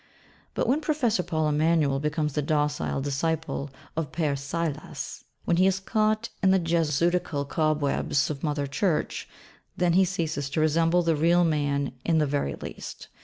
But when Professor Paul Emanuel becomes the docile disciple of Père Silas, when he is caught in the 'Jesuitical cobwebs of mother Church,' then he ceases to resemble the real man in the very least.